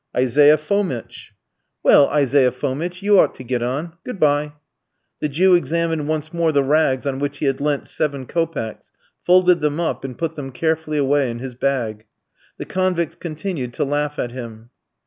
"Isaiah Fomitch." "Well, Isaiah Fomitch, you ought to get on. Good bye." The Jew examined once more the rags on which he had lent seven kopecks, folded them up, and put them carefully away in his bag. The convicts continued to laugh at him.